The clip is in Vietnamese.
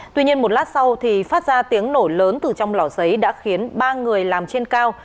tuy nhiên một lát sau thì phát ra tiếng nổ lớn từ trong lò xấy đã khiến ba người làm trên cao